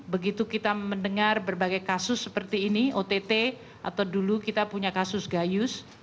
begitu kita mendengar berbagai kasus seperti ini ott atau dulu kita punya kasus gayus